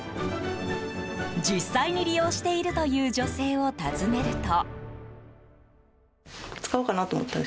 実際に利用しているという女性を訪ねると。